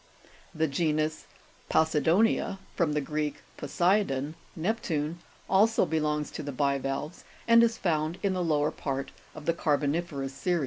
The genus Posido'nia, (Jig. 64), (from Greek, poseidon, Neptune), also belongs to bivalves, and is found in the lower part of thu carboni'ferous series.